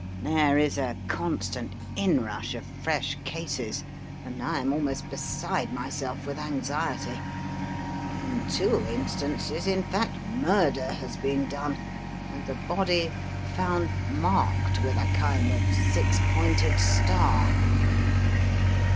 There is a constant inrush of fresh cases, and I am almost beside myself with anxiety. In two instances, in fact, murder has been done, and the body found marked with a kind of six pointed star."